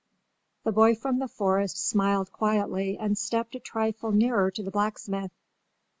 The boy from the forest smiled quietly and stepped a trifle nearer to the blacksmith.